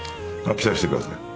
期待してください。